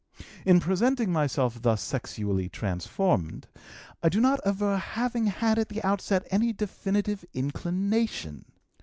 "In presenting myself thus sexually transformed, I do not aver having had at the outset any definitive inclination.